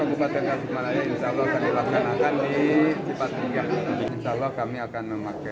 untuk kabupaten tasik malaya insya allah akan dilakukan akan di cipatujah